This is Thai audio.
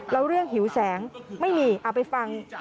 แล้วเรื่องหิวแสงไม่มีเอาไปฟัง